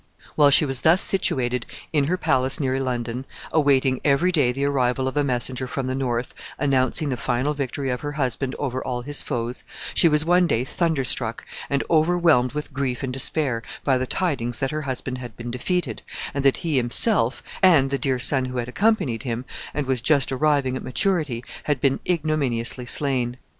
While she was thus situated in her palace near London, awaiting every day the arrival of a messenger from the north announcing the final victory of her husband over all his foes, she was one day thunderstruck, and overwhelmed with grief and despair, by the tidings that her husband had been defeated, and that he himself, and the dear son who had accompanied him, and was just arriving at maturity, had been ignominiously slain.